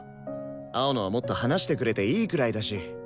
青野はもっと話してくれていいくらいだし。